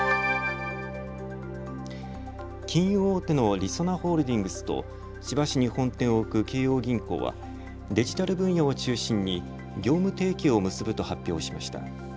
金融大手のりそなホールディングスと千葉市に本店を置く京葉銀行はデジタル分野を中心に業務提携を結ぶと発表しました。